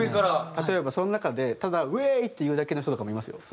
例えばその中でただ「ウエーイ！」って言うだけの人とかもいますよ。